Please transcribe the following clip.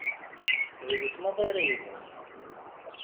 Drus maḍi ara yebɣun.